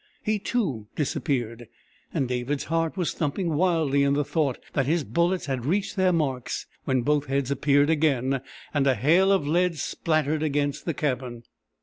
He, too, disappeared, and David's heart was thumping wildly in the thought that his bullets had reached their marks when both heads appeared again and a hail of lead spattered against the cabin.